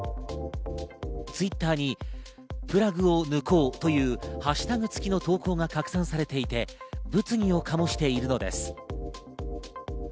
Ｔｗｉｔｔｅｒに「プラグを抜こう」というハッシュタグ付きの投稿が拡散されていて物議を醸しているのです。